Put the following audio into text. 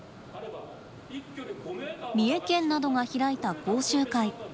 三重県などが開いた講習会。